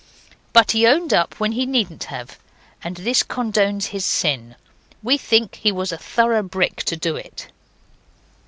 But he owned up when he needn't have, and this condones his sin. We think he was a thorough brick to do it.